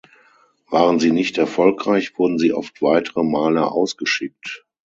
Waren sie nicht erfolgreich, wurden sie oft weitere Male ausgeschickt.